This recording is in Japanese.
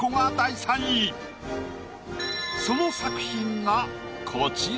その作品がこちら。